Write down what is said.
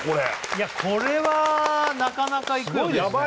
いやこれはなかなかいくよね？